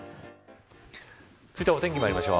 続いては、お天気まいりましょう。